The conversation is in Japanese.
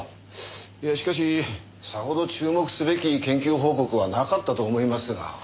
いやしかしさほど注目すべき研究報告はなかったと思いますが。